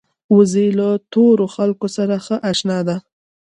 وزې له تورو خلکو سره هم اشنا ده